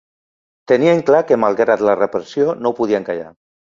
Tenien clar que, malgrat la repressió, no podien callar.